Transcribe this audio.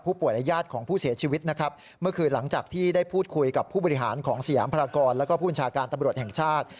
ผู้บริหารของเสียงภารกรแล้วก็ผู้อุญชาการตำรวจแห่งชาติ